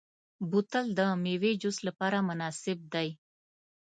بوتل د میوې جوس لپاره مناسب دی.